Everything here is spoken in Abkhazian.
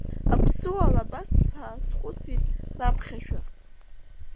Аԥсуала абас саазхәыцит раԥхьашәа.